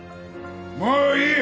もういい！